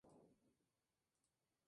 Sporting de Lisboa